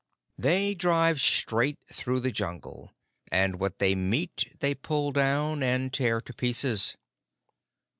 They drive straight through the Jungle, and what they meet they pull down and tear to pieces.